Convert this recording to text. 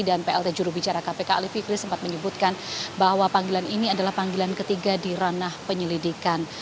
dan plt juru bicara kpk alif fikri sempat menyebutkan bahwa panggilan ini adalah panggilan ketiga di ranah penyelidikan